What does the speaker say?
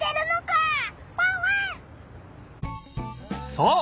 そう！